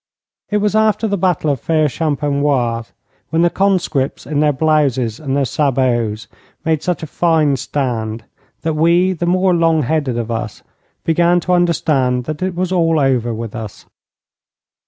It was after the Battle of Fére Champenoise where the conscripts in their blouses and their sabots made such a fine stand, that we, the more long headed of us, began to understand that it was all over with us.